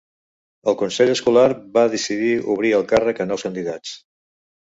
El consell escolar va decidir obrir el càrrec a nous candidats.